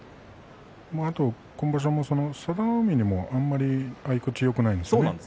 あと今場所佐田の海にもあまり合い口よくないんですよね。